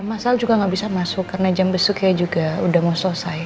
mas al juga gak bisa masuk karena jam besok ya juga udah mau selesai